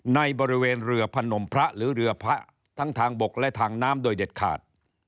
ในบริเวณเรือพนมพระหรือเรือพระทั้งทางบกและทางน้ำโดยเด็ดขาด